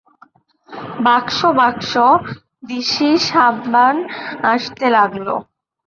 বাক্স বাক্স দিশি সাবান আসতে লাগল।